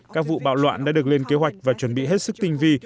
các vụ bạo loạn đã được lên kế hoạch và chuẩn bị hết sức tinh vi